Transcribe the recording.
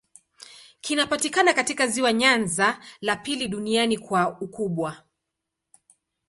Kinapatikana katika ziwa Nyanza, la pili duniani kwa ukubwa.